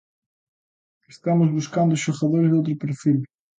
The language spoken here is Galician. Estamos buscando xogadores doutro perfil.